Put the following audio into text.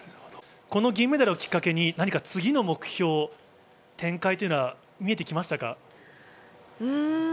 この銀メダルをきっかけに、次の目標、展開というのは見えてきましたか？